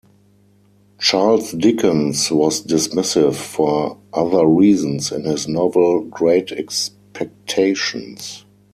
Charles Dickens was dismissive for other reasons in his novel "Great Expectations".